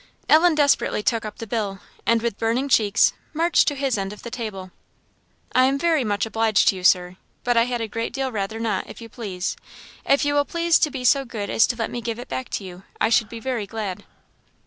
Ellen desperately took up the bill, and with burning cheeks, marched to his end of the table. "I am very much obliged to you, Sir, but I had a great deal rather not if you please if you will please to be so good as to let me give it back to you I should be very glad."